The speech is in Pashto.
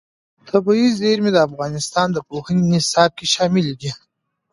طبیعي زیرمې د افغانستان د پوهنې نصاب کې شامل دي.